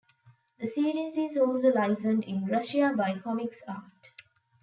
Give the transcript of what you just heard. The series is also licensed in Russia by Comix-art.